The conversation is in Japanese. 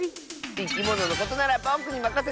いきもののことならぼくにまかせて！